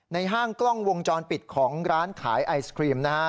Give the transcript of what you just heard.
ห้างกล้องวงจรปิดของร้านขายไอศครีมนะฮะ